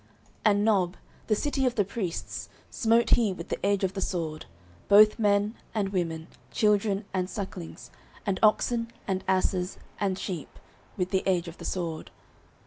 09:022:019 And Nob, the city of the priests, smote he with the edge of the sword, both men and women, children and sucklings, and oxen, and asses, and sheep, with the edge of the sword.